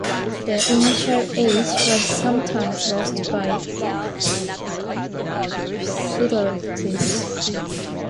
The initial "h" was sometimes lost by psilosis.